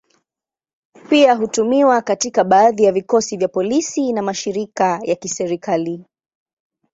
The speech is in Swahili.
Pia hutumiwa katika baadhi ya vikosi vya polisi na mashirika ya kiserikali.